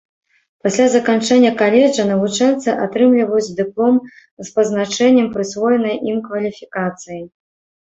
Пасля заканчэння каледжа навучэнцы атрымліваюць дыплом з пазначэннем прысвоенай ім кваліфікацыі.